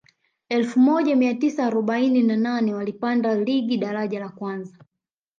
elfu moja mia tisa arobaini na nane walipanda ligi daraja la kwanza